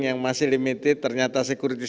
yang masih limited ternyata security